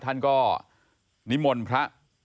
ท่านก็นิมนต์พระ